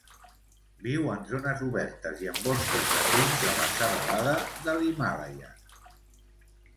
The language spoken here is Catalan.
Viu en zones obertes i en boscos de pins de la serralada de l'Himàlaia.